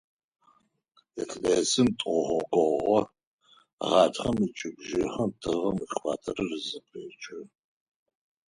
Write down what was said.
Илъэсым тӀогъогогъо – гъатхэм ыкӀи бжыхьэм тыгъэм экваторыр зэпечы.